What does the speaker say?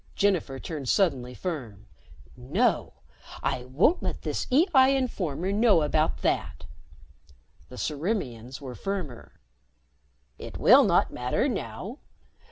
Jennifer turned suddenly firm. "No. I won't let this EI informer know about that." The Ciriimians were firmer. "It will not matter now.